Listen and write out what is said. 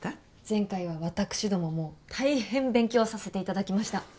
前回は私どももたいへん勉強させていただきました。